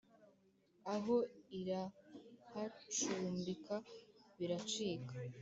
Aho irahacumbika biracika